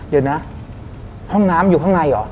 เดี๋ยวนะห้องน้ำอยู่ข้างในเหรอ